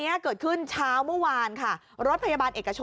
ไหนขั้นอื่นเปิดทางให้แล้ว